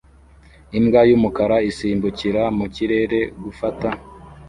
Imbwa y'umukara isimbukira mu kirere gufata